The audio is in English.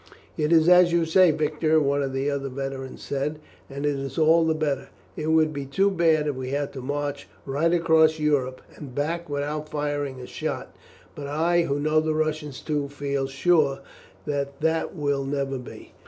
"It is as you say, Victor," one of the other veterans said, "and it is all the better. It would be too bad if we had to march right across Europe and back without firing a shot, but I, who know the Russians too, feel sure that that will never be."